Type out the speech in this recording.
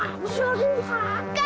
aku syuruhmu pak